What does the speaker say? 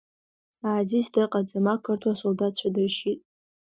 Аазиз дыҟаӡам, ақырҭуа солдаҭцәа дыршьит.